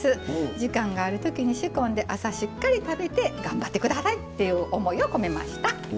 時間があるときに仕込んで仕込んで朝、しっかり食べて頑張ってくださいっていう思いを込めました。